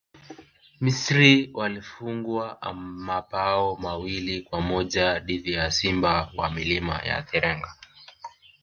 misri walifungwa mabao mawili kwa moja dhidi ya simba wa milima ya teranga